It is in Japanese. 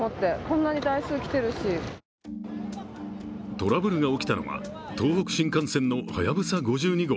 トラブルが起きたのは東北新幹線の「はやぶさ５２号」